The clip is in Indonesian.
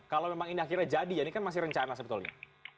kalau memang ini akhirnya jadi ya ini kan masih rencana sebetulnya